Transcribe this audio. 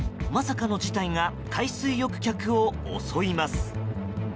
まさかの事態が海水浴客を襲います。